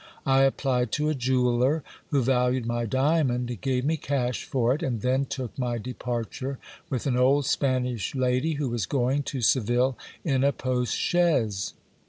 I applied to a jeweller, who valued my diamond and gave me cash for it, and then took my departure with an old Spanish lady who was going to Seville in a post chaise.